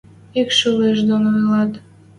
Ик шӱлӹш доно ӹлӓт.